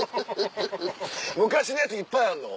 昔のやついっぱいあるの？